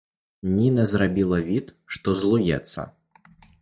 Ніна зрабіла від, што злуецца.